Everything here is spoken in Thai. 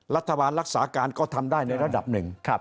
รัฐบาลรักษาการก็ทำได้ในระดับหนึ่ง